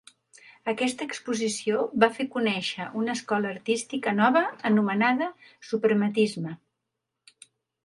Aquesta exposició va fer conèixer una escola artística nova, anomenada suprematisme.